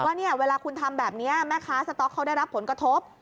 ว่าเนี่ยเวลาคุณทำแบบนี้แม่ค้าสต๊อกเขาได้รับผลกระทบ